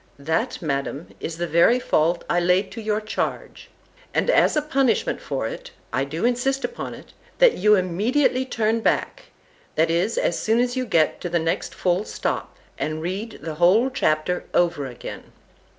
—That, Madam, is the very fault I lay to your charge; and as a punishment for it, I do insist upon it, that you immediately turn back, that is as soon as you get to the next full stop, and read the whole chapter over again.